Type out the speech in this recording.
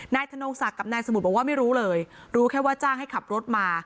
ธนงศักดิ์กับนายสมุทรบอกว่าไม่รู้เลยรู้แค่ว่าจ้างให้ขับรถมา